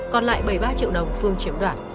còn lại bảy mươi ba triệu đồng phương chiếm đoạt